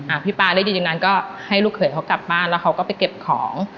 พี่ป๊าได้ยินอย่างนั้นก็ให้ลูกเขยเขากลับบ้านแล้วเขาก็ไปเก็บของ